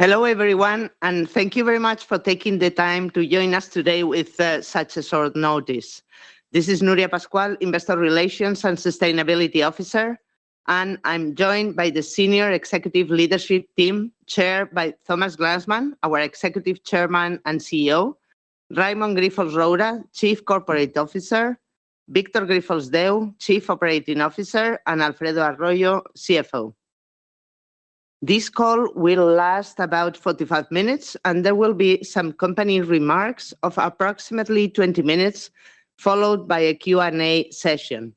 Hello, everyone, and thank you very much for taking the time to join us today with such a short notice. This is Nuria Pascual, Investor Relations and Sustainability Officer, and I'm joined by the senior executive leadership team, chaired by Thomas Glanzmann, our Executive Chairman and CEO, Raimon Grifols Roura, Chief Corporate Officer, Víctor Grifols Deu, Chief Operating Officer, and Alfredo Arroyo, CFO. This call will last about 45 minutes, and there will be some company remarks of approximately 20 minutes, followed by a Q&A session.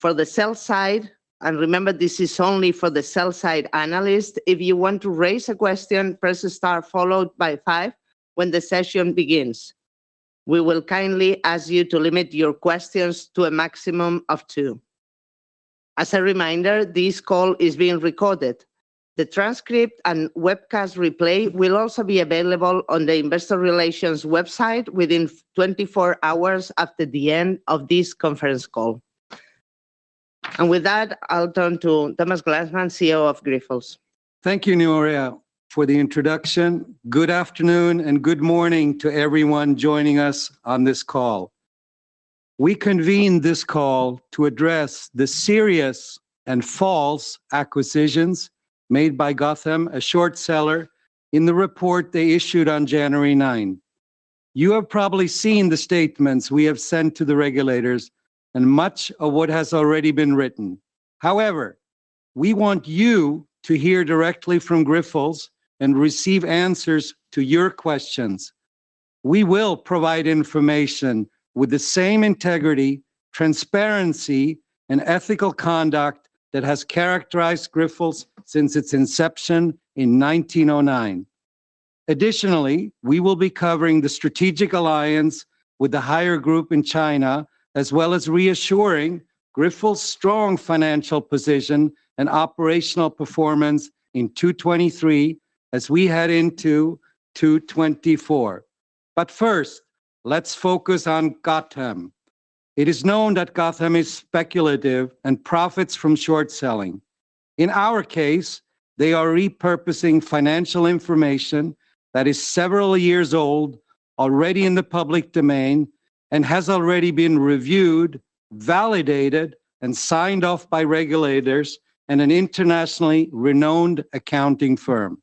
For the sell-side, and remember, this is only for the sell-side analyst, if you want to raise a question, press star followed by 5 when the session begins. We will kindly ask you to limit your questions to a maximum of 2. As a reminder, this call is being recorded. The transcript and webcast replay will also be available on the Investor Relations website within 24 hours after the end of this conference call. With that, I'll turn to Thomas Glanzmann, CEO of Grifols. Thank you, Nuria, for the introduction. Good afternoon, and good morning to everyone joining us on this call. We convened this call to address the serious and false accusations made by Gotham, a short seller, in the report they issued on January 9. You have probably seen the statements we have sent to the regulators and much of what has already been written. However, we want you to hear directly from Grifols and receive answers to your questions. We will provide information with the same integrity, transparency, and ethical conduct that has characterized Grifols since its inception in 1909. Additionally, we will be covering the strategic alliance with the Haier Group in China, as well as reassuring Grifols' strong financial position and operational performance in 2023 as we head into 2024. But first, let's focus on Gotham. It is known that Gotham is speculative and profits from short selling. In our case, they are repurposing financial information that is several years old, already in the public domain, and has already been reviewed, validated, and signed off by regulators and an internationally renowned accounting firm.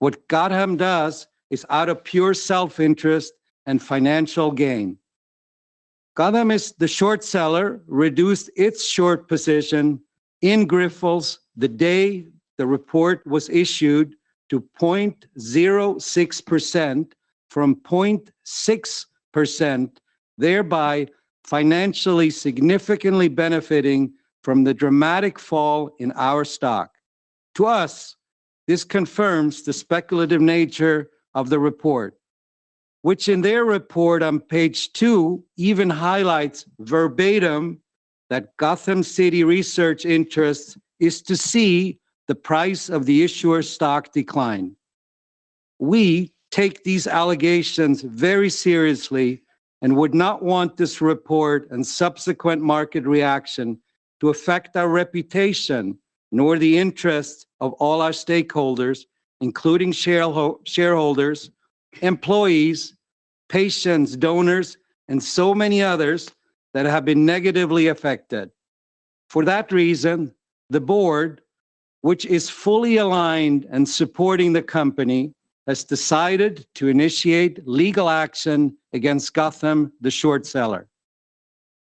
What Gotham does is out of pure self-interest and financial gain. Gotham, as the short seller, reduced its short position in Grifols the day the report was issued to 0.06% from 0.6%, thereby financially significantly benefiting from the dramatic fall in our stock. To us, this confirms the speculative nature of the report, which in their report on page 2, even highlights verbatim that Gotham City Research interest is to see the price of the issuer's stock decline. We take these allegations very seriously and would not want this report and subsequent market reaction to affect our reputation, nor the interests of all our stakeholders, including shareholders, employees, patients, donors, and so many others that have been negatively affected. For that reason, the board, which is fully aligned and supporting the company, has decided to initiate legal action against Gotham, the short seller.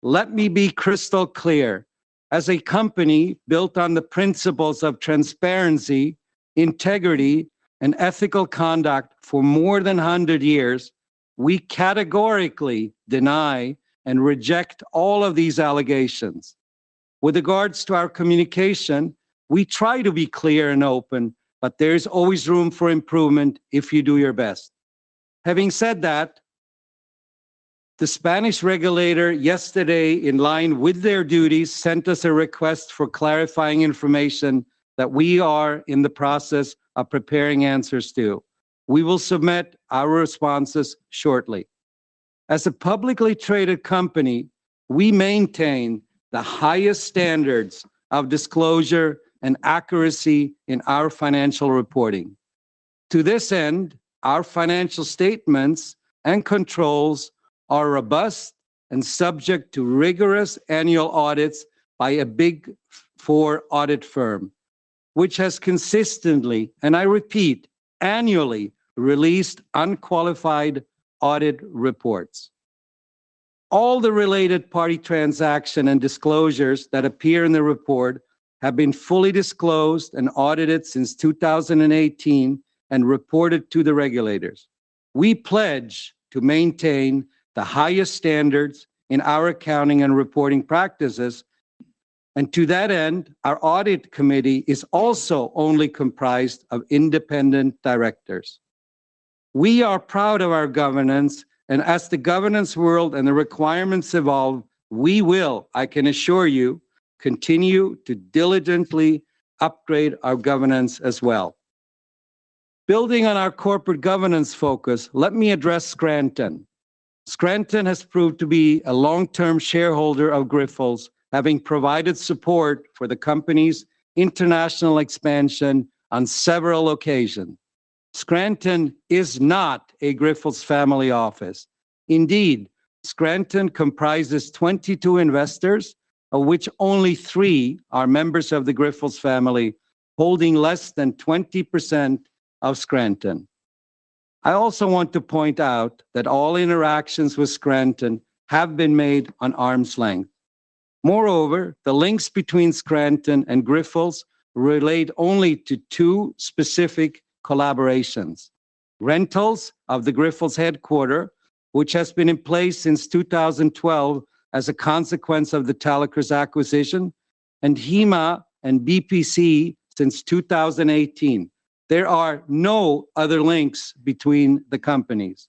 Let me be crystal clear: as a company built on the principles of transparency, integrity, and ethical conduct for more than a hundred years, we categorically deny and reject all of these allegations. With regards to our communication, we try to be clear and open, but there is always room for improvement if you do your best. Having said that, the Spanish regulator yesterday, in line with their duties, sent us a request for clarifying information that we are in the process of preparing answers to. We will submit our responses shortly. As a publicly traded company, we maintain the highest standards of disclosure and accuracy in our financial reporting. To this end, our financial statements and controls are robust and subject to rigorous annual audits by a Big Four audit firm, which has consistently, and I repeat, annually released unqualified audit reports. All the related party transaction and disclosures that appear in the report have been fully disclosed and audited since 2018 and reported to the regulators. We pledge to maintain the highest standards in our accounting and reporting practices, and to that end, our audit committee is also only comprised of independent directors. We are proud of our governance, and as the governance world and the requirements evolve, we will, I can assure you, continue to diligently upgrade our governance as well. Building on our corporate governance focus, let me address Scranton. Scranton has proved to be a long-term shareholder of Grifols, having provided support for the company's international expansion on several occasions. Scranton is not a Grifols family office. Indeed, Scranton comprises 22 investors, of which only three are members of the Grifols family, holding less than 20% of Scranton. I also want to point out that all interactions with Scranton have been made on arm's length. Moreover, the links between Scranton and Grifols relate only to two specific collaborations: rentals of the Grifols headquarters, which has been in place since 2012 as a consequence of the Talecris acquisition, and Haema and BPC since 2018. There are no other links between the companies.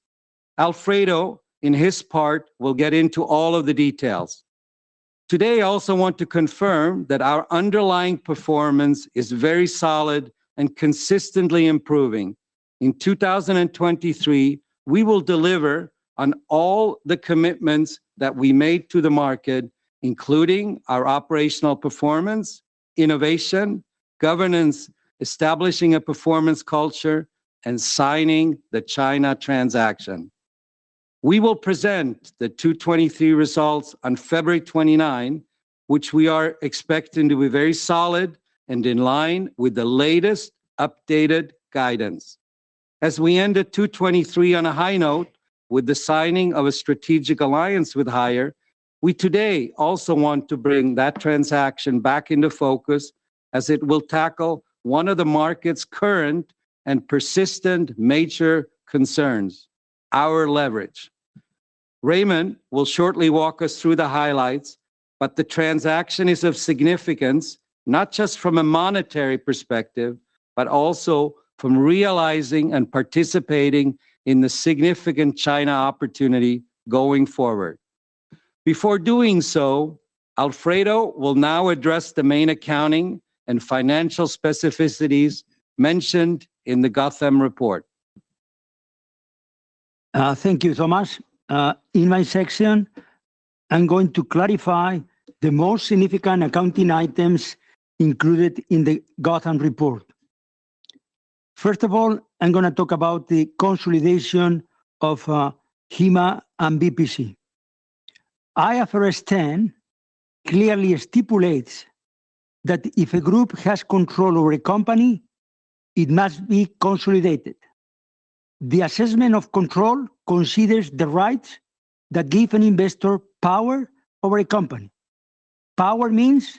Alfredo, in his part, will get into all of the details. Today, I also want to confirm that our underlying performance is very solid and consistently improving. In 2023, we will deliver on all the commitments that we made to the market, including our operational performance, innovation, governance, establishing a performance culture, and signing the China transaction. We will present the 2023 results on February 29, which we are expecting to be very solid and in line with the latest updated guidance. As we end the 2023 on a high note with the signing of a strategic alliance with Haier, we today also want to bring that transaction back into focus, as it will tackle one of the market's current and persistent major concerns, our leverage. Raimon will shortly walk us through the highlights, but the transaction is of significance, not just from a monetary perspective, but also from realizing and participating in the significant China opportunity going forward. Before doing so, Alfredo will now address the main accounting and financial specificities mentioned in the Gotham report. Thank you so much. In my section, I'm going to clarify the most significant accounting items included in the Gotham report. First of all, I'm gonna talk about the consolidation of Haema and BPC. IFRS 10 clearly stipulates that if a group has control over a company, it must be consolidated. The assessment of control considers the rights that give an investor power over a company. Power means,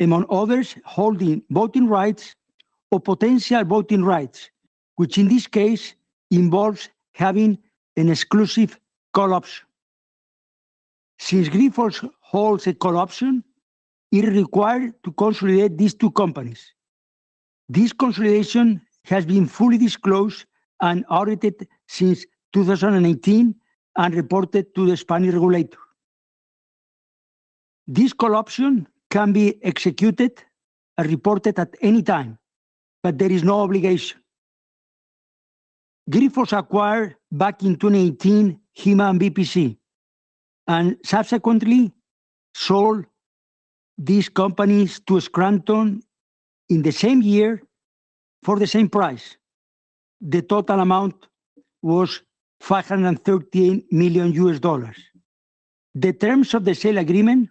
among others, holding voting rights or potential voting rights, which in this case involves having an exclusive call option. Since Grifols holds a call option, it is required to consolidate these two companies. This consolidation has been fully disclosed and audited since 2018 and reported to the Spanish regulator. This call option can be executed and reported at any time, but there is no obligation. Grifols acquired, back in 2018, Haema and BPC, and subsequently sold these companies to Scranton in the same year for the same price. The total amount was $513 million. The terms of the sale agreement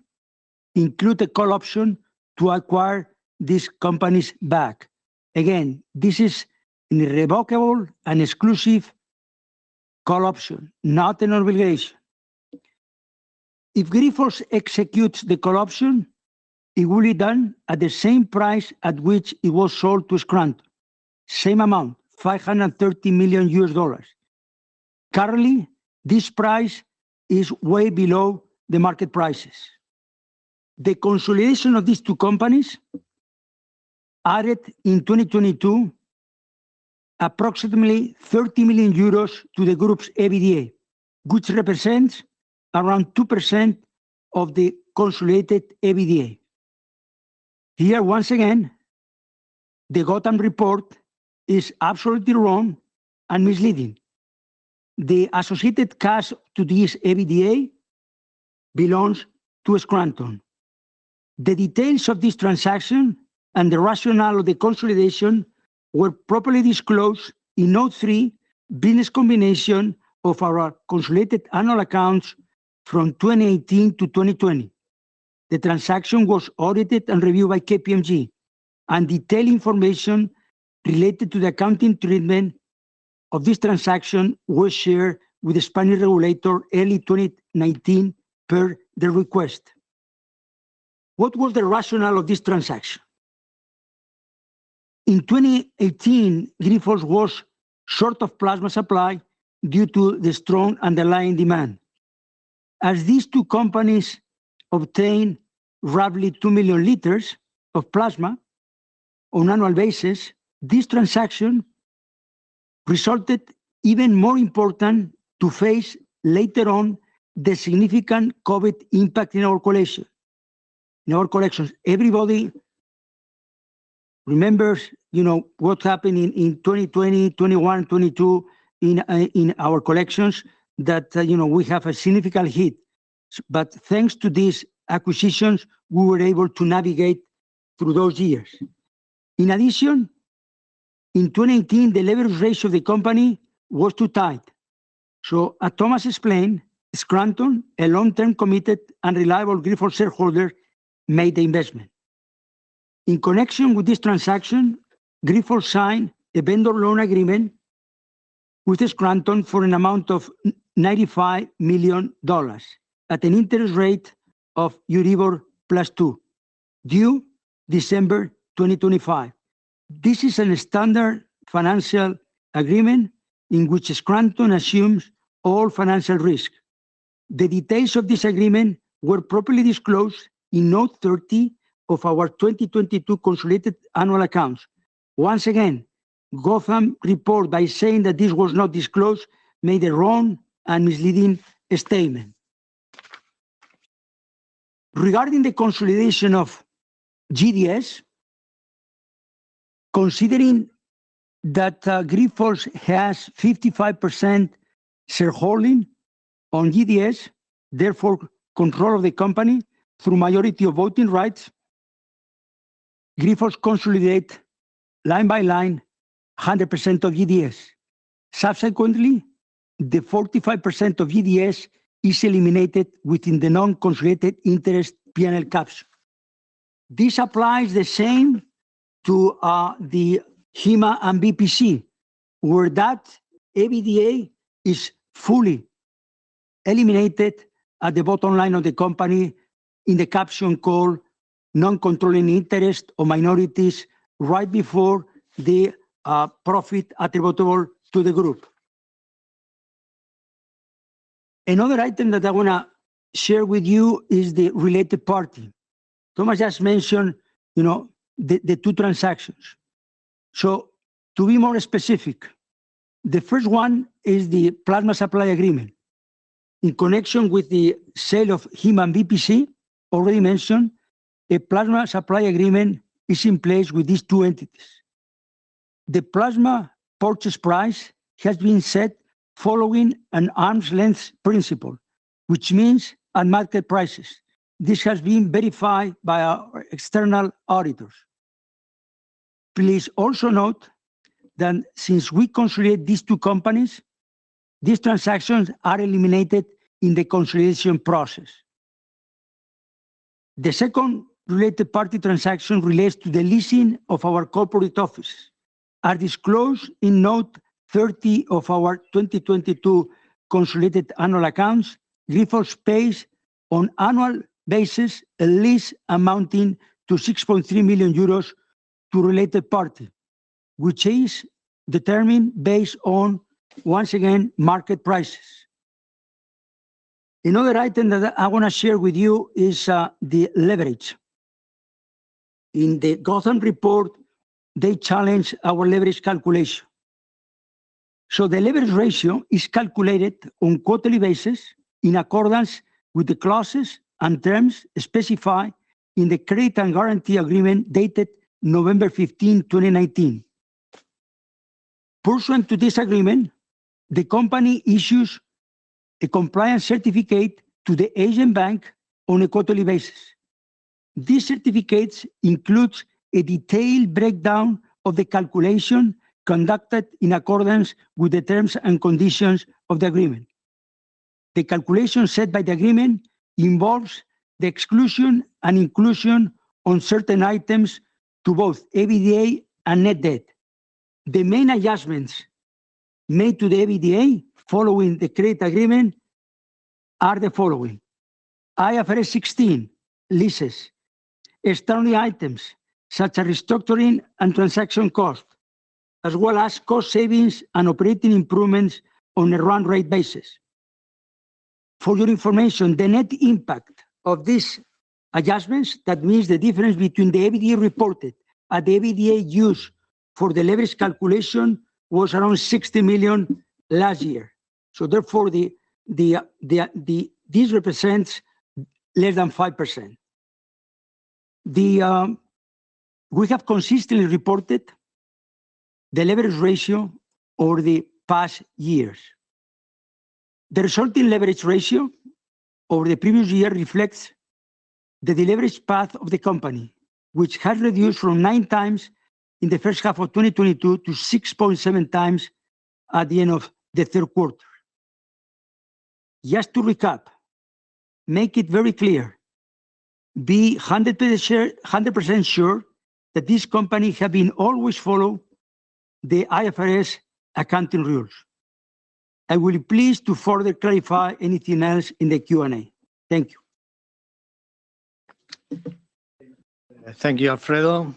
include a call option to acquire these companies back. Again, this is an irrevocable and exclusive call option, not an obligation. If Grifols executes the call option, it will be done at the same price at which it was sold to Scranton. Same amount, $530 million. Currently, this price is way below the market prices. The consolidation of these two companies added, in 2022, approximately 30 million euros to the group's EBITDA, which represents around 2% of the consolidated EBITDA. Here, once again, the Gotham report is absolutely wrong and misleading. The associated cash to this EBITDA belongs to Scranton. The details of this transaction and the rationale of the consolidation were properly disclosed in Note 3, Business Combination of our consolidated annual accounts from 2018 to 2020. The transaction was audited and reviewed by KPMG, and detailed information related to the accounting treatment of this transaction was shared with the Spanish regulator early 2019, per their request. What was the rationale of this transaction? In 2018, Grifols was short of plasma supply due to the strong underlying demand. As these two companies obtained roughly 2 million liters of plasma on annual basis, this transaction resulted even more important to face later on, the significant COVID impact in our collection. In our collections, everybody remembers, you know, what happened in, in 2020, 2021, 2022 in our collections that, you know, we have a significant hit. Thanks to these acquisitions, we were able to navigate through those years. In addition, in 2018, the leverage ratio of the company was too tight. So as Thomas explained, Scranton, a long-term, committed, and reliable Grifols shareholder, made the investment. In connection with this transaction, Grifols signed a vendor loan agreement with Scranton for an amount of $95 million at an interest rate of EURIBOR plus 2, due December 2025. This is a standard financial agreement in which Scranton assumes all financial risk. The details of this agreement were properly disclosed in note 30 of our 2022 consolidated annual accounts. Once again, Gotham report, by saying that this was not disclosed, made a wrong and misleading statement. Regarding the consolidation of GDS, considering that Grifols has 55% shareholding on GDS, therefore control of the company through majority of voting rights, Grifols consolidate line by line 100% of GDS. Subsequently, the 45% of GDS is eliminated within the non-controlling interest P&L capture. This applies the same to the Haema and BPC, where that EBITDA is fully eliminated at the bottom line of the company in the caption called Non-Controlling Interest or Minorities, right before the profit attributable to the group. Another item that I wanna share with you is the related party. Thomas just mentioned, you know, the two transactions. So to be more specific, the first one is the plasma supply agreement. In connection with the sale of Haema and BPC, already mentioned, a plasma supply agreement is in place with these two entities. The plasma purchase price has been set following an arm's length principle, which means at market prices. This has been verified by our external auditors. Please also note that since we consolidate these two companies, these transactions are eliminated in the consolidation process. The second related party transaction relates to the leasing of our corporate offices, are disclosed in note 30 of our 2022 consolidated annual accounts. Grifols pays on annual basis, a lease amounting to 6.3 million euros to related party, which is determined based on, once again, market prices. Another item that I wanna share with you is, the leverage. In the Gotham report, they challenge our leverage calculation. So the leverage ratio is calculated on quarterly basis in accordance with the clauses and terms specified in the Credit and Guarantee Agreement dated November 15, 2019. Pursuant to this agreement, the company issues a compliance certificate to the agent bank on a quarterly basis. These certificates include a detailed breakdown of the calculation conducted in accordance with the terms and conditions of the agreement. The calculation set by the agreement involves the exclusion and inclusion on certain items to both EBITDA and net debt. The main adjustments made to the EBITDA following the credit agreement are the following: IFRS 16 leases, extraordinary items such as restructuring and transaction costs, as well as cost savings and operating improvements on a run rate basis. For your information, the net impact of these adjustments, that means the difference between the EBITDA reported and the EBITDA used for the leverage calculation, was around 60 million last year. So therefore, this represents less than 5%. We have consistently reported the leverage ratio over the past years. The resulting leverage ratio over the previous year reflects the de-leverage path of the company, which has reduced from 9x in the first half of 2022 to 6.7x at the end of the third quarter. Just to recap, make it very clear, hundred percent sure that this company have been always follow the IFRS accounting rules. I will be pleased to further clarify anything else in the Q&A. Thank you. Thank you, Alfredo.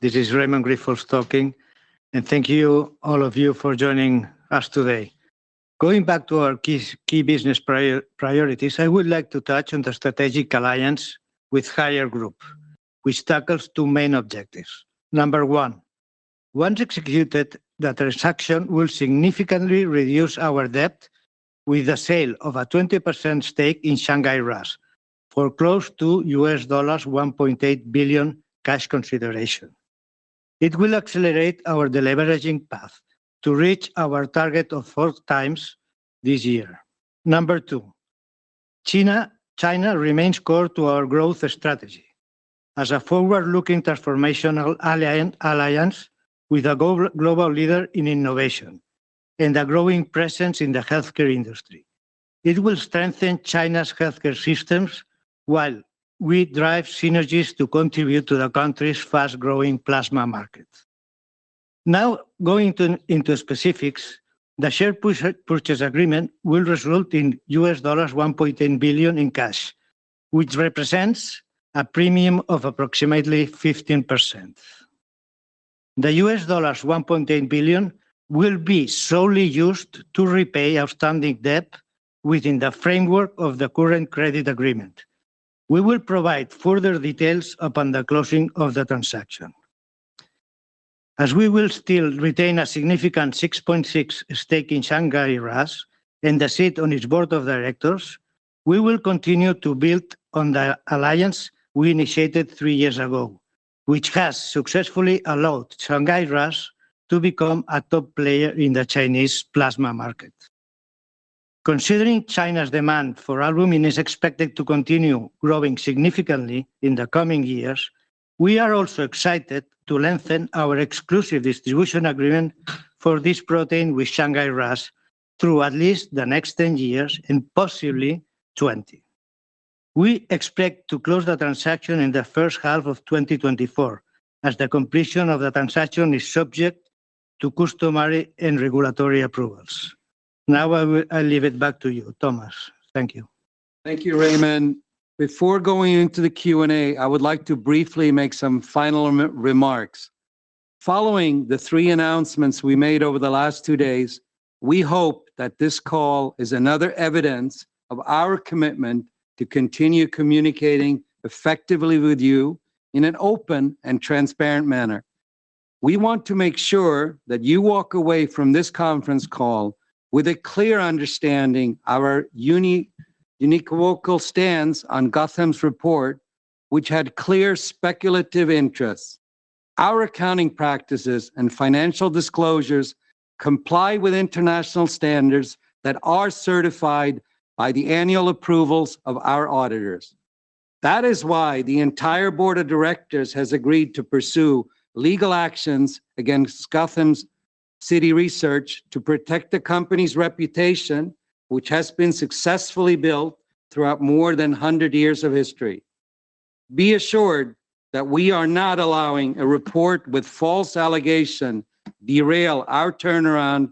This is Raimon Grifols talking, and thank you, all of you, for joining us today. Going back to our key, key business priorities, I would like to touch on the strategic alliance with Haier Group, which tackles two main objectives. Number one. Once executed, the transaction will significantly reduce our debt with the sale of a 20% stake in Shanghai RAAS for close to $1.8 billion cash consideration. It will accelerate our deleveraging path to reach our target of four times this year. Number two, China. China remains core to our growth strategy as a forward-looking transformational alliance with a global leader in innovation and a growing presence in the healthcare industry. It will strengthen China's healthcare systems, while we drive synergies to contribute to the country's fast-growing plasma market. Now, going into specifics, the share purchase agreement will result in $1.8 billion in cash, which represents a premium of approximately 15%. The $1.8 billion will be solely used to repay outstanding debt within the framework of the current credit agreement. We will provide further details upon the closing of the transaction. As we will still retain a significant 6.6% stake in Shanghai RAAS and a seat on its board of directors, we will continue to build on the alliance we initiated three years ago, which has successfully allowed Shanghai RAAS to become a top player in the Chinese plasma market. Considering China's demand for albumin is expected to continue growing significantly in the coming years, we are also excited to lengthen our exclusive distribution agreement for this protein with Shanghai RAAS through at least the next 10 years, and possibly 20. We expect to close the transaction in the first half of 2024, as the completion of the transaction is subject to customary and regulatory approvals. Now, I leave it back to you, Thomas. Thank you. Thank you, Raimon. Before going into the Q&A, I would like to briefly make some final remarks. Following the 3 announcements we made over the last 2 days, we hope that this call is another evidence of our commitment to continue communicating effectively with you in an open and transparent manner. We want to make sure that you walk away from this conference call with a clear understanding our univocal stance on Gotham's report, which had clear speculative interests. Our accounting practices and financial disclosures comply with international standards that are certified by the annual approvals of our auditors. That is why the entire board of directors has agreed to pursue legal actions against Gotham City Research to protect the company's reputation, which has been successfully built throughout more than 100 years of history. Be assured that we are not allowing a report with false allegations derail our turnaround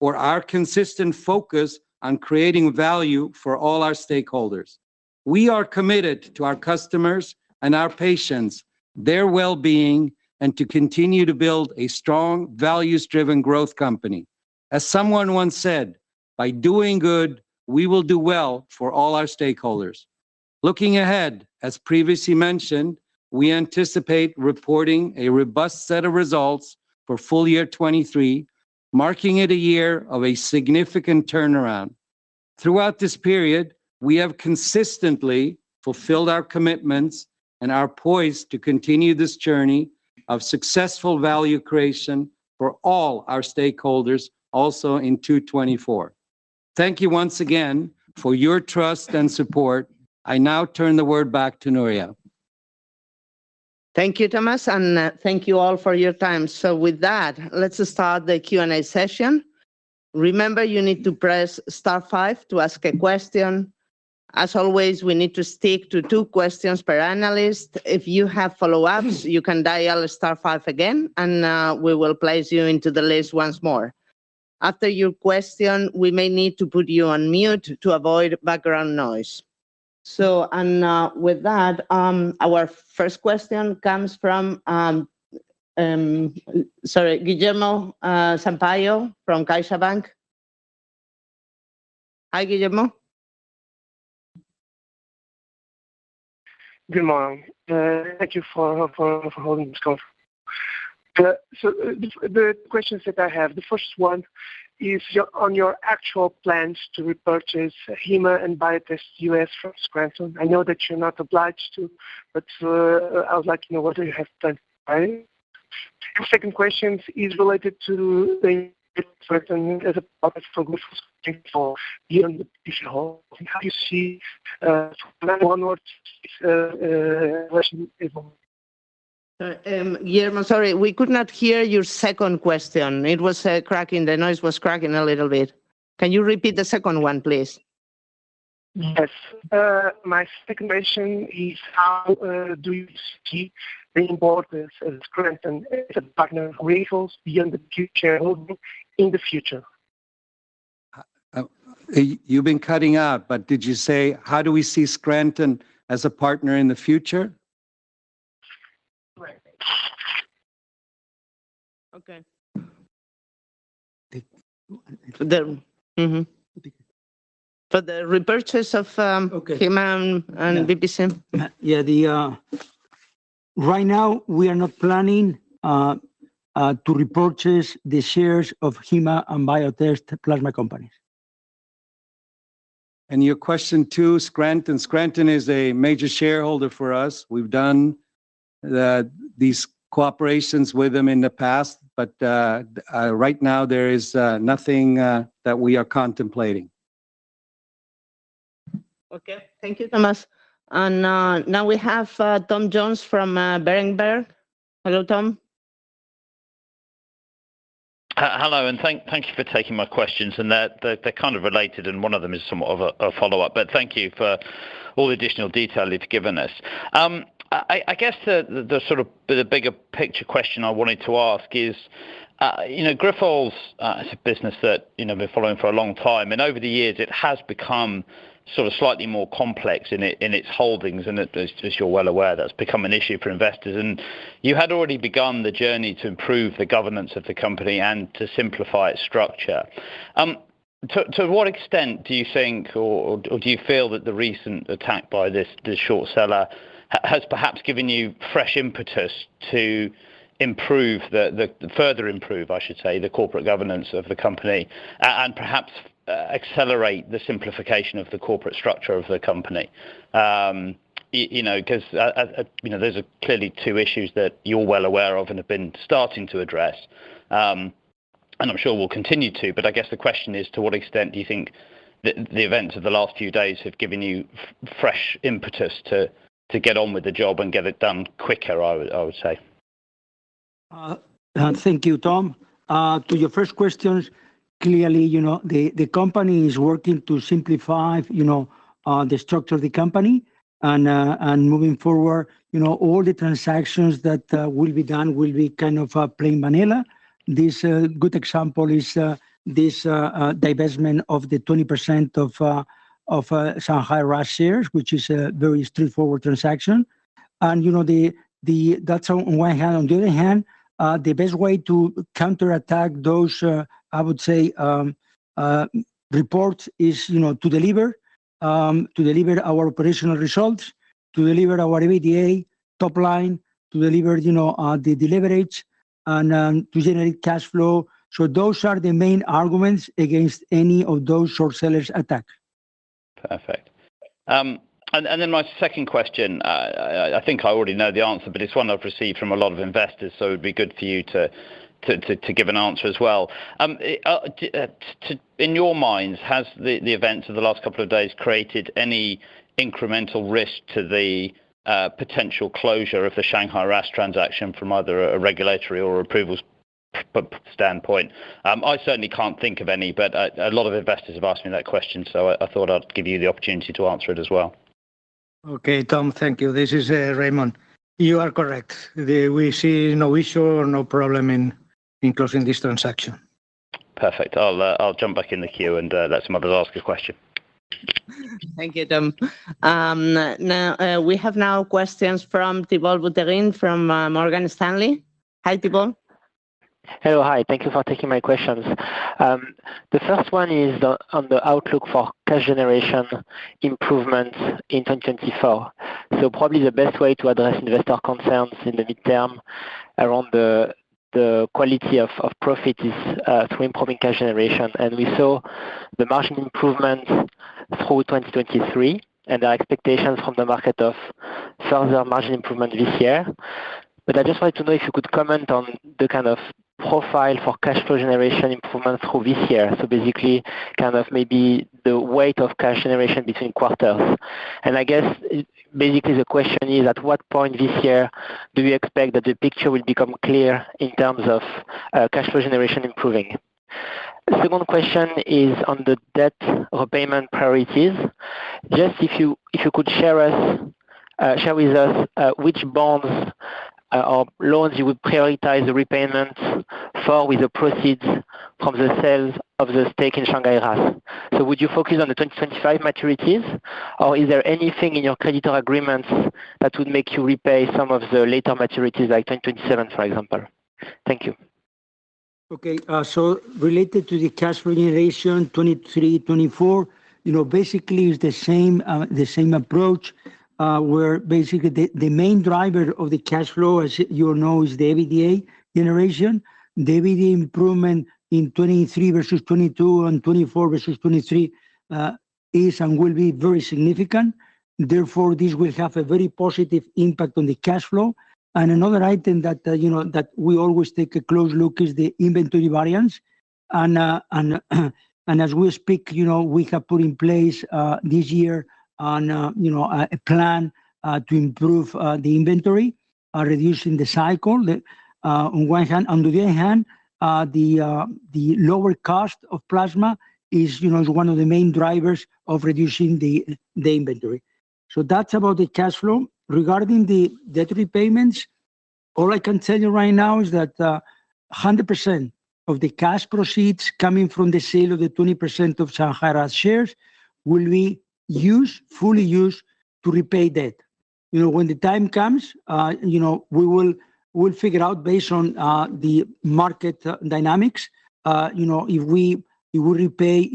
or our consistent focus on creating value for all our stakeholders. We are committed to our customers and our patients, their well-being, and to continue to build a strong, values-driven growth company. As someone once said, "By doing good, we will do well for all our stakeholders." Looking ahead, as previously mentioned, we anticipate reporting a robust set of results for full year 2023, marking it a year of a significant turnaround. Throughout this period, we have consistently fulfilled our commitments and are poised to continue this journey of successful value creation for all our stakeholders, also in 2024. Thank you once again for your trust and support. I now turn the floor back to Nuria. Thank you, Thomas, and thank you all for your time. So with that, let's start the Q&A session. Remember, you need to press star five to ask a question. As always, we need to stick to two questions per analyst. If you have follow-ups, you can dial star five again, and we will place you into the list once more. After your question, we may need to put you on mute to avoid background noise. So, with that, our first question comes from, sorry, Guilherme Sampaio from CaixaBank. Hi, Guillermo. Good morning. Thank you for holding this call. So the questions that I have, the first one is your—on your actual plans to repurchase Haema and Biotest US from Scranton. I know that you're not obliged to, but I would like to know whether you have plans for buying. The second question is related to how you see onwards. Guillermo, sorry, we could not hear your second question. It was cracking. The noise was cracking a little bit. Can you repeat the second one, please? Yes. My second question is, how do you see the importance of Scranton as a partner for Grifols beyond the future holding in the future? You've been cutting out, but did you say, how do we see Scranton as a partner in the future? Right. Okay. The, mm-hmm. For the repurchase of Okay. Haema and BPC? Yeah, yeah, right now, we are not planning to repurchase the shares of Haema and Biotest Plasma Collection. And your question, too, Scranton. Scranton is a major shareholder for us. We've done these cooperations with them in the past, but right now there is nothing that we are contemplating. Okay. Thank you, Thomas. And, now we have, Tom Jones from, Berenberg. Hello, Tom. Hello, and thank you for taking my questions, and they're kind of related, and one of them is somewhat of a follow-up. But thank you for all the additional detail you've given us. I guess the sort of the bigger picture question I wanted to ask is, you know, Grifols is a business that, you know, I've been following for a long time, and over the years it has become sort of slightly more complex in its holdings. And as you're well aware, that's become an issue for investors, and you had already begun the journey to improve the governance of the company and to simplify its structure. To what extent do you think or do you feel that the recent attack by this short seller has perhaps given you fresh impetus to improve, further improve, I should say, the corporate governance of the company and perhaps accelerate the simplification of the corporate structure of the company? You know, because, you know, those are clearly two issues that you're well aware of and have been starting to address, and I'm sure will continue to. But I guess the question is, to what extent do you think the events of the last few days have given you fresh impetus to get on with the job and get it done quicker, I would say? Thank you, Tom. To your first questions, clearly, you know, the company is working to simplify, you know, the structure of the company. And moving forward, you know, all the transactions that will be done will be kind of plain vanilla. This good example is this divestment of the 20% of Shanghai RAAS shares, which is a very straightforward transaction. And, you know, that's on one hand. On the other hand, the best way to counterattack those, I would say, reports, is, you know, to deliver our operational results, to deliver our EBITDA top line, to deliver, you know, the delivery rates, and to generate cash flow. So those are the main arguments against any of those short sellers' attack. Perfect. And then my second question, I think I already know the answer, but it's one I've received from a lot of investors, so it'd be good for you to give an answer as well. To, in your minds, has the events of the last couple of days created any incremental risk to the potential closure of the Shanghai RAAS transaction from either a regulatory or approvals standpoint? I certainly can't think of any, but a lot of investors have asked me that question, so I thought I'd give you the opportunity to answer it as well. Okay, Tom, thank you. This is Raimon. You are correct. We see no issue or no problem in closing this transaction. Perfect. I'll, I'll jump back in the queue and, let someone else ask a question. Thank you, Tom. Now, we have questions from Thibault Boutherin from Morgan Stanley. Hi, Thibault. Hello, hi. Thank you for taking my questions. The first one is on the outlook for cash generation improvements in 2024. So probably the best way to address investor concerns in the midterm around the quality of profit is through improving cash generation. And we saw the margin improvements through 2023, and our expectations from the market of further margin improvement this year. But I just wanted to know if you could comment on the kind of profile for cash flow generation improvement through this year. So basically, kind of maybe the weight of cash generation between quarters. And I guess basically the question is, at what point this year do you expect that the picture will become clear in terms of cash flow generation improving? The second question is on the debt repayment priorities. Just if you could share with us which bonds or loans you would prioritize the repayments for, with the proceeds from the sales of the stake in Shanghai RAAS. So would you focus on the 2025 maturities, or is there anything in your creditor agreements that would make you repay some of the later maturities, like 2027, for example? Thank you. Okay, so related to the cash generation, 2023, 2024, you know, basically it's the same, the same approach, where basically the, the main driver of the cash flow, as you know, is the EBITDA generation. The EBITDA improvement in 2023 versus 2022 and 2024 versus 2023, is and will be very significant. Therefore, this will have a very positive impact on the cash flow. And another item that, you know, that we always take a close look is the inventory variance. And, and, and as we speak, you know, we have put in place, this year, you know, a, a plan, to improve, the inventory, reducing the cycle, on one hand. On the other hand, the, the lower cost of plasma is, you know, is one of the main drivers of reducing the, the inventory. So that's about the cash flow. Regarding the debt repayments, all I can tell you right now is that, 100% of the cash proceeds coming from the sale of the 20% of Shanghai RAAS shares will be used, fully used to repay debt... you know, when the time comes, you know, we will, we'll figure out based on, the market dynamics. You know, if we, we will repay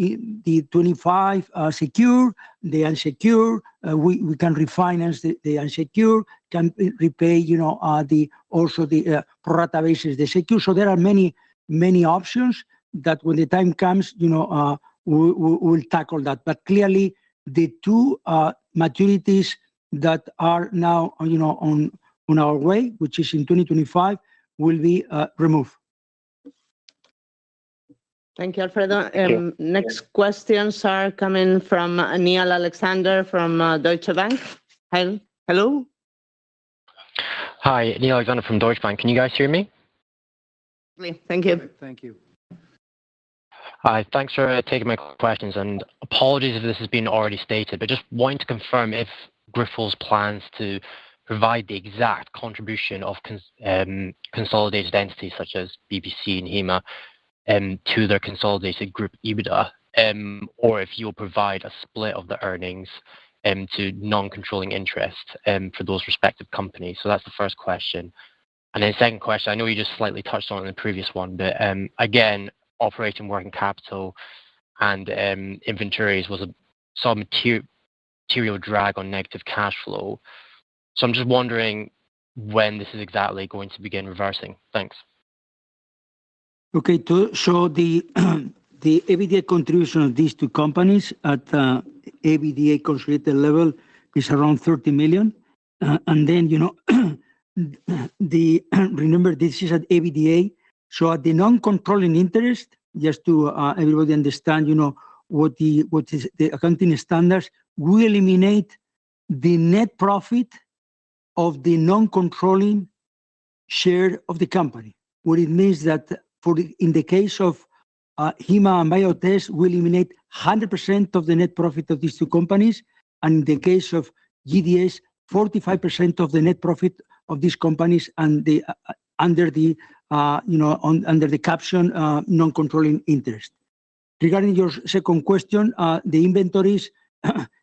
the 25, secure, the unsecured, we, we can refinance the, the unsecured, can repay, you know, the also the, pro rata basis, the secure. So there are many, many options that when the time comes, you know, we, we'll tackle that. But clearly, the two, maturities that are now, you know, on, on our way, which is in 2025, will be, removed. Thank you, Alfredo. Yeah. Next questions are coming from Neil Alexander from Deutsche Bank. Hi. Hello? Hi, Neil Alexander from Deutsche Bank. Can you guys hear me? Thank you. Thank you. Hi. Thanks for taking my questions, and apologies if this has been already stated, but just wanting to confirm if Grifols plans to provide the exact contribution of consolidated entities such as BPC and Haema to their consolidated group EBITDA or if you'll provide a split of the earnings to non-controlling interest for those respective companies. So that's the first question. And then second question, I know you just slightly touched on in the previous one, but again, operating working capital and inventories was somewhat material drag on negative cash flow. So I'm just wondering when this is exactly going to begin reversing. Thanks. Okay, so the EBITDA contribution of these two companies at EBITDA consolidated level is around 30 million. And then, you know, remember, this is at EBITDA, so at the non-controlling interest, just to everybody understand, you know, what is the accounting standards, we eliminate the net profit of the non-controlling share of the company. What it means that for the, in the case of Haema and Biotest, we eliminate 100% of the net profit of these two companies, and in the case of GDS, 45% of the net profit of these companies, and the, under the, you know, on, under the caption "Non-Controlling Interest." Regarding your second question, the inventories,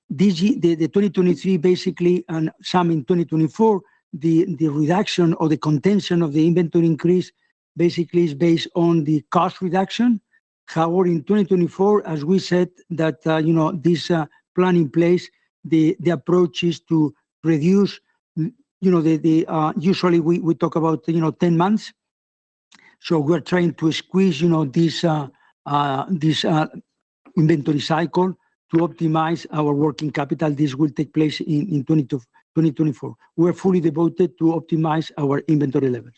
this year, the 2023, basically, and some in 2024, the reduction or the contention of the inventory increase basically is based on the cost reduction. However, in 2024, as we said that, you know, this plan in place, the approach is to reduce, you know, the, the. Usually we talk about 10 months. So we're trying to squeeze, you know, this inventory cycle to optimize our working capital. This will take place in 2024. We're fully devoted to optimize our inventory levels.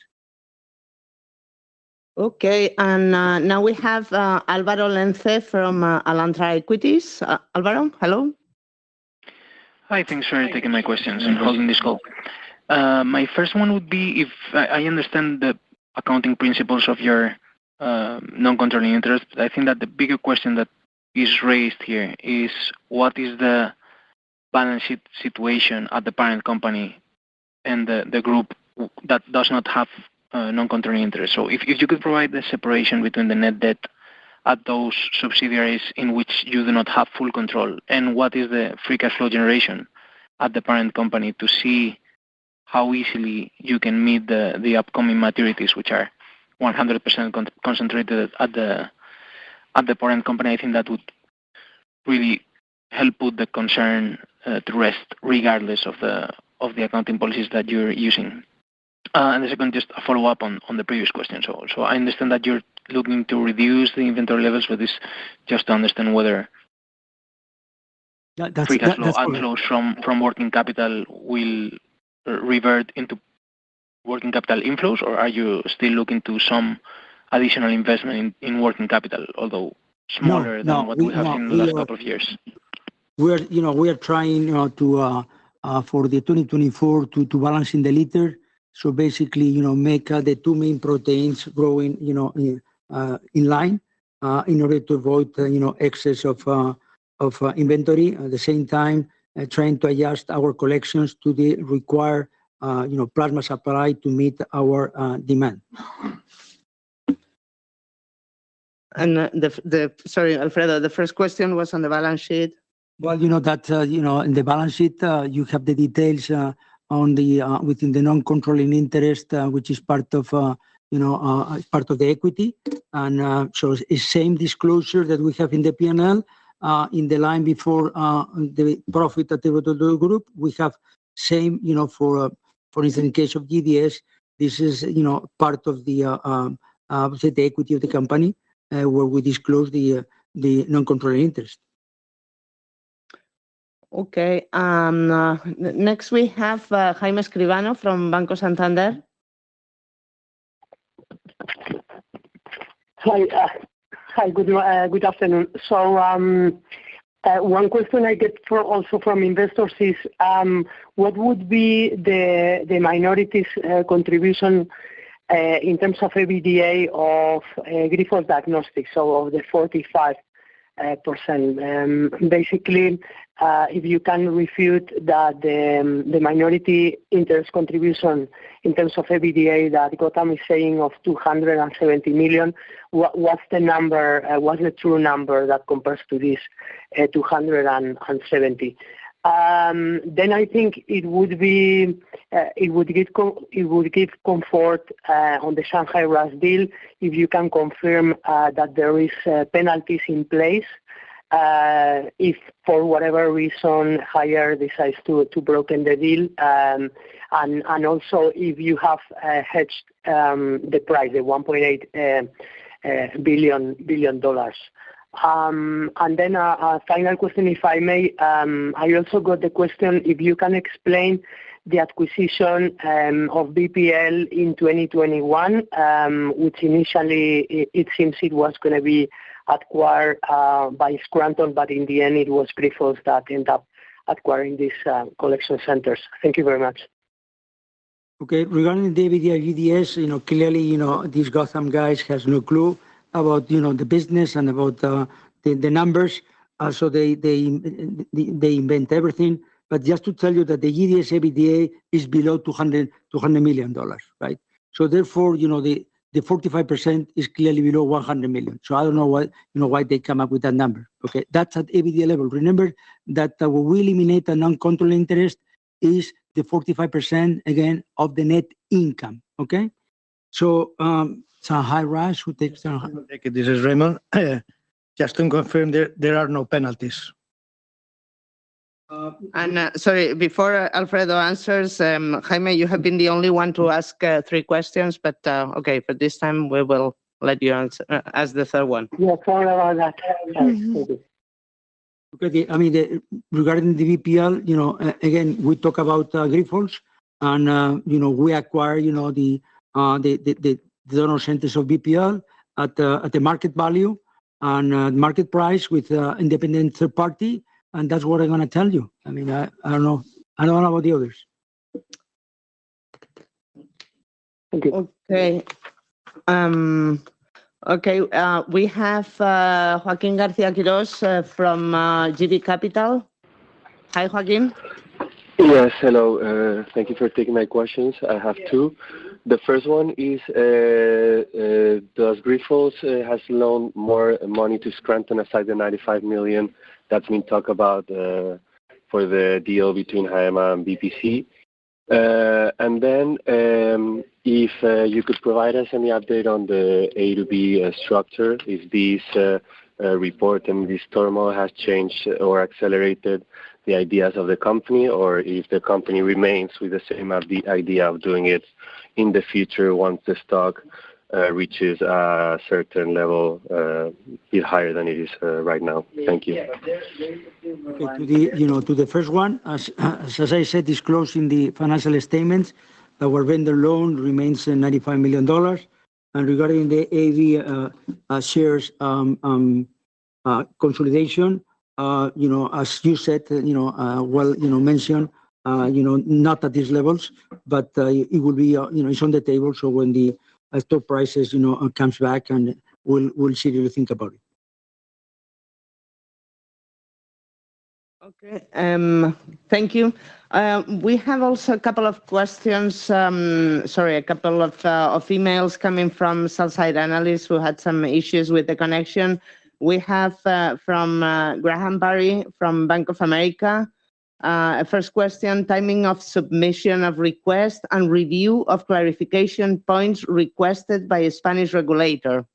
Okay, and, now we have, Álvaro Lenze from, Alantra Equities. Álvaro, hello. Hi, thanks for taking my questions and holding this call. My first one would be, if I understand the accounting principles of your non-controlling interest, I think that the bigger question that is raised here is: What is the balance sheet situation at the parent company and the group that does not have non-controlling interest? So if you could provide the separation between the net debt at those subsidiaries in which you do not have full control, and what is the free cash flow generation at the parent company, to see how easily you can meet the upcoming maturities, which are 100% concentrated at the parent company, I think that would really help put the concern to rest, regardless of the accounting policies that you're using. And the second, just a follow-up on the previous question. So, I understand that you're looking to reduce the inventory levels for this. Just to understand whether- That's correct.... free cash flow outflows from working capital will revert into working capital inflows, or are you still looking to some additional investment in working capital, although smaller than- No, no What we have in the last couple of years? We're, you know, we are trying, you know, to for the 2024 to balance in the liter. So basically, you know, make the two main proteins growing, you know, in line in order to avoid, you know, excess of inventory, at the same time trying to adjust our collections to the required, you know, plasma supply to meet our demand. Sorry, Alfredo, the first question was on the balance sheet. Well, you know that, you know, in the balance sheet, you have the details on the within the Non-Controlling Interest, which is part of, you know, part of the equity. So it's same disclosure that we have in the P&L, in the line before the profit at the group. We have same, you know, for, for instance, in case of GDS, this is, you know, part of the equity of the company, where we disclose the Non-Controlling Interest. Okay. Next, we have Jaime Escribano from Banco Santander. Hi, hi, good afternoon. So, one question I get from, also from investors is: What would be the, the minorities, contribution, in terms of EBITDA of, Grifols Diagnostics, so of the 45%?... percent. Basically, if you can refute that the, the minority interest contribution in terms of EBITDA, that Gotham is saying of 270 million, what's the number, what's the true number that compares to this, two hundred and seventy? Then I think it would be, it would give comfort, on the Shanghai RAAS deal if you can confirm, that there is, penalties in place, if for whatever reason, Haier decides to, to break the deal. And also if you have hedged the price at $1.8 billion. Then a final question, if I may. I also got the question, if you can explain the acquisition of BPC in 2021, which initially it seems it was gonna be acquired by Scranton, but in the end, it was Grifols that end up acquiring these collection centers. Thank you very much. Okay. Regarding the EBITDA, GDS, you know, clearly, you know, these Gotham guys has no clue about, you know, the business and about the numbers. So they invent everything. But just to tell you that the GDS EBITDA is below $200 million, right? So therefore, you know, the 45% is clearly below $100 million. So I don't know why, you know why they come up with that number, okay? That's at EBITDA level. Remember, that we eliminate the non-controlling interest is the 45%, again, of the net income, okay? So it's a high rise who takes the- I will take it. This is Raimon. Just to confirm, there are no penalties. Sorry, before Alfredo answers, Jaime, you have been the only one to ask three questions, but okay, for this time, we will let you answer, ask the third one. Yeah, sorry about that. Okay, I mean, regarding the BPC, you know, again, we talk about Grifols and, you know, we acquire, you know, the donor centers of BPC at the market value and market price with a independent third party, and that's what I'm gonna tell you. I mean, I don't know. I don't know about the others. Thank you. Okay. Okay, we have Joaquín García-Quirós from JB Capital. Hi, Joaquín. Yes, hello. Thank you for taking my questions. I have two. Yes. The first one is, does Grifols has loaned more money to Scranton aside the $95 million that's been talked about, for the deal between Haier Medical and BPC? And then, if you could provide us any update on the A to B structure, if this report and this turmoil has changed or accelerated the ideas of the company, or if the company remains with the same of the idea of doing it in the future once the stock reaches a certain level, bit higher than it is right now. Thank you. You know, to the first one, as I said, disclosing the financial statements, our Vendor Loan remains in $95 million. Regarding the A/B shares consolidation, you know, as you said, you know, well, you know mentioned, you know, not at these levels, but, it will be, you know, it's on the table. So when the stock prices, you know, comes back and we'll see what we think about it. Okay, thank you. We have also a couple of questions. Sorry, a couple of emails coming from sell-side analysts who had some issues with the connection. We have from Graham Parry, from Bank of America. First question, timing of submission of request and review of clarification points requested by a Spanish regulator.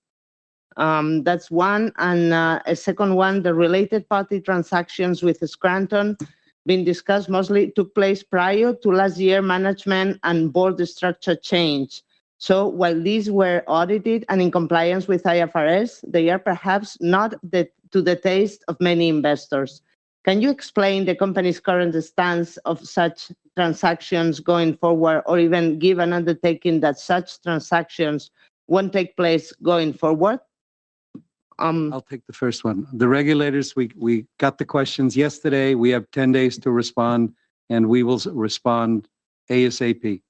That's one, and a second one, the related party transactions with Scranton being discussed mostly took place prior to last year management and board structure change. So while these were audited and in compliance with IFRS, they are perhaps not to the taste of many investors. Can you explain the company's current stance of such transactions going forward, or even give an undertaking that such transactions won't take place going forward? I'll take the first one. The regulators, we got the questions yesterday. We have 10 days to respond, and we will respond ASAP.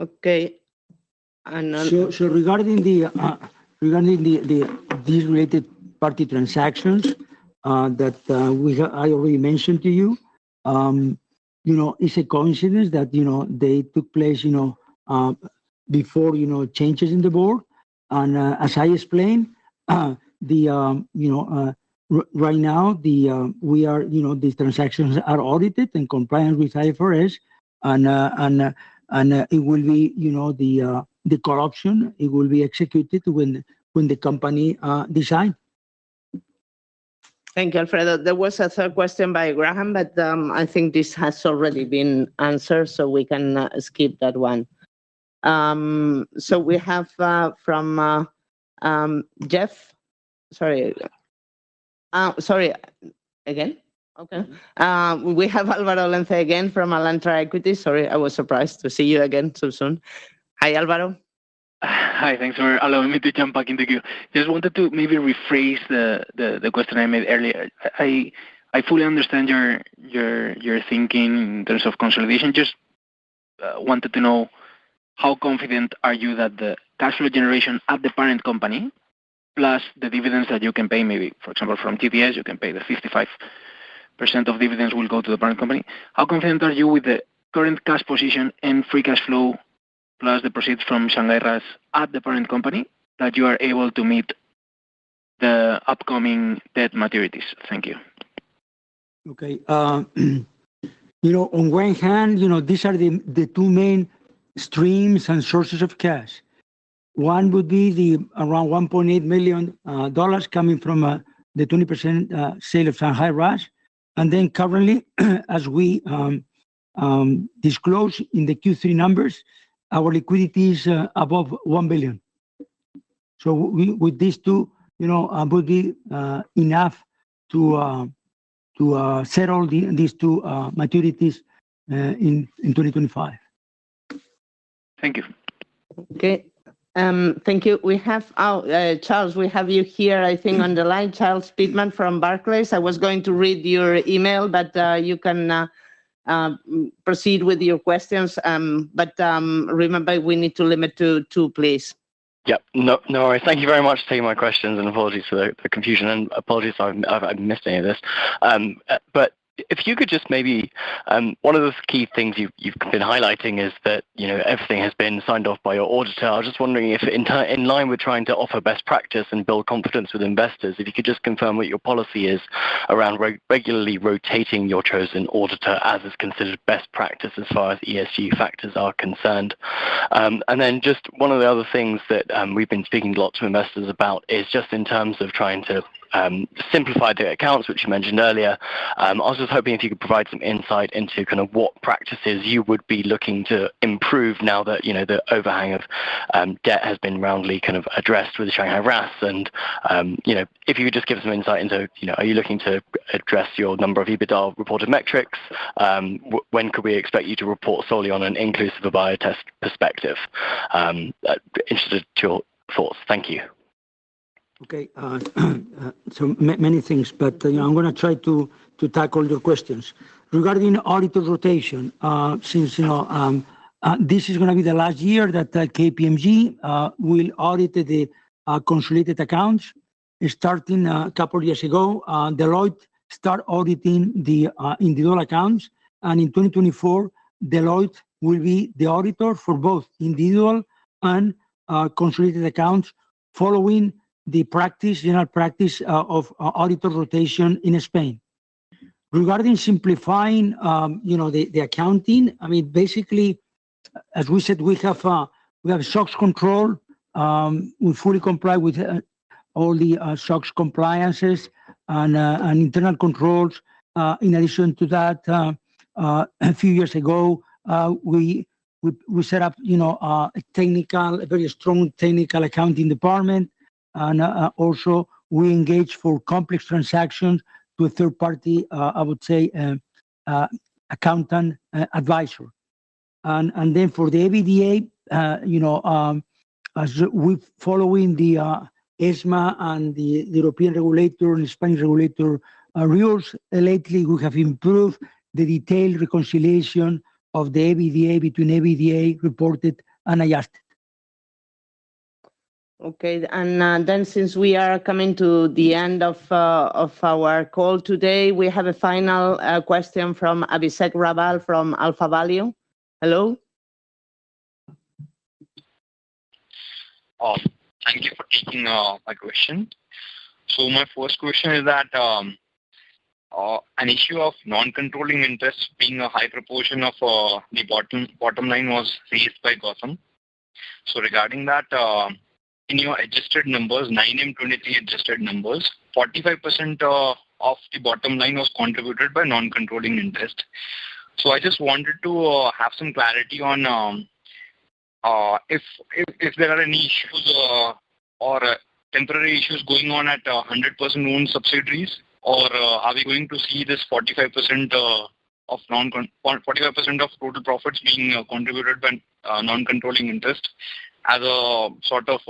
Okay, and, So, regarding these related party transactions that we have, I already mentioned to you, you know, it's a coincidence that, you know, they took place, you know, before, you know, changes in the board. And, as I explained, you know, right now, we are, you know, these transactions are audited and compliant with IFRS, and it will be, you know, the corruption; it will be executed when the company decide. Thank you, Alfredo. There was a third question by Graham, but I think this has already been answered, so we can skip that one. So we have from Álvaro Lenze again from Alantra Equities. Sorry, I was surprised to see you again so soon. Hi, Álvaro. Hi, thanks for allowing me to jump back into the queue. Just wanted to maybe rephrase the question I made earlier. I fully understand your thinking in terms of consolidation. Just Wanted to know how confident are you that the cash flow generation at the parent company, plus the dividends that you can pay, maybe, for example, from GDS, you can pay the 55% of dividends will go to the parent company. How confident are you with the current cash position and free cash flow, plus the proceeds from Shanghai RAAS at the parent company, that you are able to meet the upcoming debt maturities? Thank you. Okay, you know, on one hand, you know, these are the, the two main streams and sources of cash. One would be the around $1.8 million coming from the 20% sale of Shanghai RAAS. And then currently, as we disclose in the Q3 numbers, our liquidity is above 1 billion. So with these two, you know, would be enough to settle these two maturities in 2025. Thank you. Okay, thank you. We have, Charles, we have you here, I think, on the line. Charles Pitman from Barclays. I was going to read your email, but, you can, proceed with your questions, but, remember, we need to limit to two, please. Yep. No, no worries. Thank you very much for taking my questions, and apologies for the confusion, and apologies if I've missed any of this. But if you could just maybe... One of the key things you've been highlighting is that, you know, everything has been signed off by your auditor. I was just wondering if in line with trying to offer best practice and build confidence with investors, if you could just confirm what your policy is around regularly rotating your chosen auditor, as is considered best practice as far as ESG factors are concerned. And then just one of the other things that we've been speaking a lot to investors about is just in terms of trying to simplify the accounts, which you mentioned earlier. I was just hoping if you could provide some insight into kind of what practices you would be looking to improve now that, you know, the overhang of, debt has been roundly kind of addressed with the Shanghai RAAS, and, you know, if you could just give some insight into, you know, are you looking to address your number of EBITDA reported metrics? When could we expect you to report solely on an inclusive buyer test perspective? Interested to your thoughts. Thank you. Okay, so many things, but, you know, I'm gonna try to tackle your questions. Regarding auditor rotation, since, you know, this is gonna be the last year that KPMG will audit the consolidated accounts. Starting a couple of years ago, Deloitte start auditing the individual accounts, and in 2024, Deloitte will be the auditor for both individual and consolidated accounts, following the general practice of auditor rotation in Spain. Regarding simplifying, you know, the accounting, I mean, basically, as we said, we have SOX control. We fully comply with all the SOX compliances and internal controls. In addition to that, a few years ago, we set up, you know, a very strong technical accounting department, and also, we engage for complex transactions with third-party, I would say, accounting advisor. And then for the EBITDA, you know, as we're following the ESMA and the European regulator and Spanish regulator rules, lately, we have improved the detailed reconciliation of the EBITDA reported and adjusted. Okay, and then, since we are coming to the end of our call today, we have a final question from Abhishek Raval from AlphaValue. Hello. Oh, thank you for taking my question. So my first question is that an issue of non-controlling interest being a high proportion of the bottom line was raised by Gotham. So regarding that, in your adjusted numbers, 2023 adjusted numbers, 45% of the bottom line was contributed by non-controlling interest. So I just wanted to have some clarity on if there are any issues or temporary issues going on at 100%-owned subsidiaries, or are we going to see this 45% of total profits being contributed by non-controlling interest as a sort of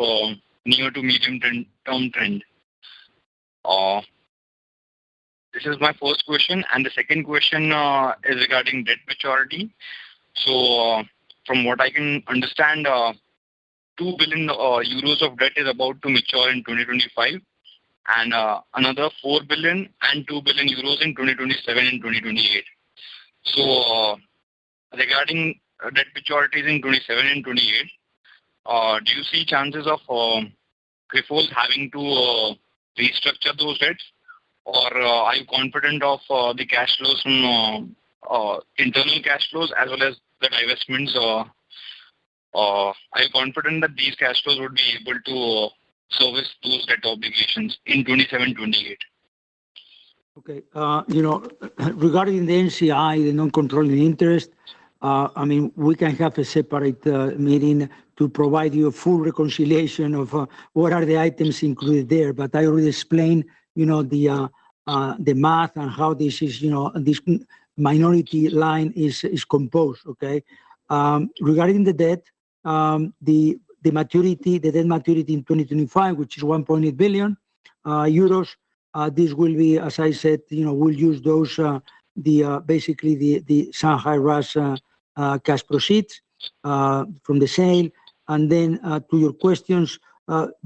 near- to medium-term trend? This is my first question, and the second question is regarding debt maturity. So, from what I can understand, 2 billion euros of debt is about to mature in 2025, and another 4 billion and 2 billion euros in 2027 and 2028. So, regarding debt maturities in 2027 and 2028, do you see chances of Grifols having to restructure those debts? Or, are you confident of the cash flows from internal cash flows as well as the divestments? Are you confident that these cash flows would be able to service those debt obligations in 2027, 2028? Okay, you know, regarding the NCI, the non-controlling interest, I mean, we can have a separate meeting to provide you a full reconciliation of what are the items included there. But I already explained, you know, the math and how this is, you know, this minority line is composed, okay? Regarding the debt, the maturity, the debt maturity in 2025, which is 1.8 billion euros, this will be, as I said, you know, we'll use those, basically, the Shanghai RAAS cash proceeds from the sale. And then, to your questions,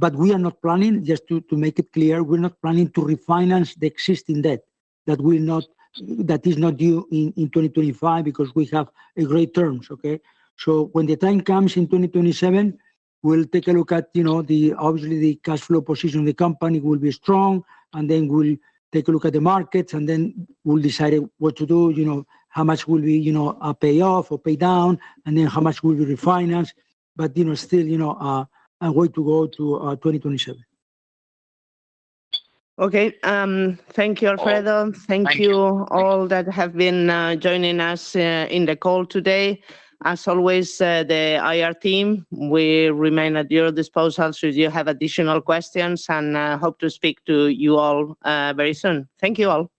but we are not planning, just to make it clear, we're not planning to refinance the existing debt. That will not, that is not due in 2025, because we have great terms, okay? So when the time comes in 2027, we'll take a look at, you know, the... Obviously, the cash flow position of the company will be strong, and then we'll take a look at the markets, and then we'll decide what to do. You know, how much will be, you know, a pay off or pay down, and then how much will be refinance. But, you know, still, you know, a way to go to, 2027. Okay, thank you, Alfredo. Oh, thank you. Thank you all that have been joining us in the call today. As always, the IR team, we remain at your disposal should you have additional questions, and hope to speak to you all very soon. Thank you all.